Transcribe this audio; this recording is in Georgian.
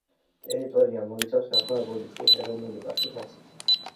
ტერიტორია მოიცავს გაქვავებული ტყის ეროვნული პარკის ნაწილს.